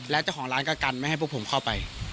แล้วเจ้าของร้านก็กันไม่ให้พวกผมเข้าไป